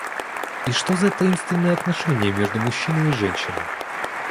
И что за таинственные отношения между мужчиной и женщиной?